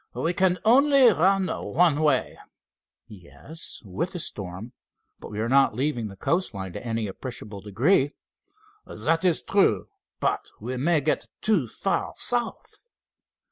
"We can only run one way." "Yes, with the storm, but we are not leaving the coast line to any appreciable degree." "That is true, but we may get too far south."